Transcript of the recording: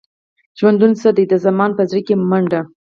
ژوندون څه دی؟ د زمان په زړه کې منډه.